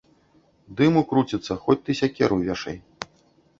Дыму круціцца, хоць ты сякеру вешай.